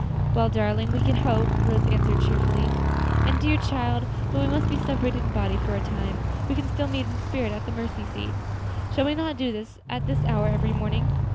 "Well, darling, we can hope," Rose answered cheerfully. "And, dear child, though we must be separated in body for a time, we can still meet in spirit at the mercy seat. Shall we not do so at this hour every morning?"